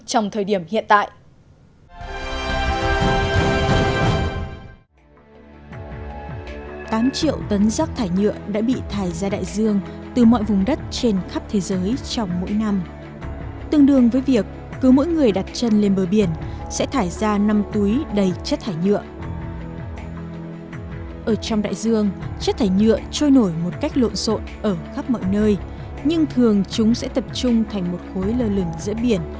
trong thời điểm hiện tại